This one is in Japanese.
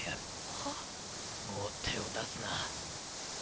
もう手を出すな。